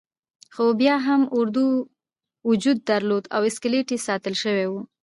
خو بیا هم اردو وجود درلود او اسکلیت یې ساتل شوی وو.